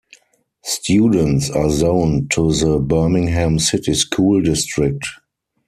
Students are zoned to the Birmingham City School District.